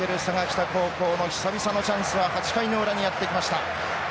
佐賀北高校の久々のチャンスは８回の裏にやってきました。